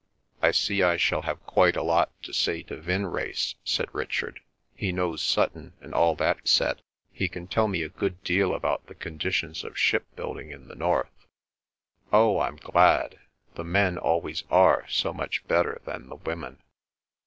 "I see I shall have quite a lot to say to Vinrace," said Richard. "He knows Sutton and all that set. He can tell me a good deal about the conditions of ship building in the North." "Oh, I'm glad. The men always are so much better than the women."